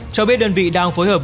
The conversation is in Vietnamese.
cho biết đơn vị đang phối hợp